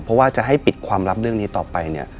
เพราะว่าจะให้ปิดความลับเรื่องนี้ต่อไปเนี่ย